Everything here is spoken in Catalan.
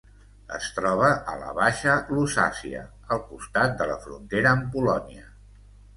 Es troba a la Baixa Lusàcia, al costat de la frontera amb Polònia.